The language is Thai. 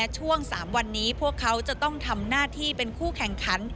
ช่วง๓วันนี้พวกเขาจะต้องทำหน้าที่เป็นคู่แข่งขัน